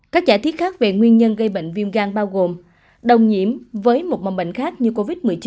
các giải thích khác về nguyên nhân gây bệnh viêm gan bao gồm đồng nhiễm với một mong bệnh khác như covid một mươi chín